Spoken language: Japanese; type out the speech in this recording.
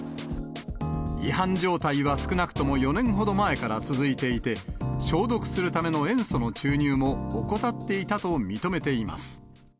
違反状態は少なくとも４年ほど前から続いていて、消毒するための塩素の注入も怠っていたと認めています。